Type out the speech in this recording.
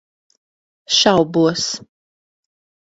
Šaubos.